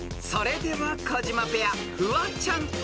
［それでは児嶋ペアフワちゃん